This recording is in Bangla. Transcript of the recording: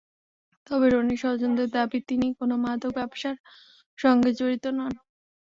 তবে রনির স্বজনদের দাবি, তিনি কোনো মাদক ব্যবসার সঙ্গে জড়িত নন।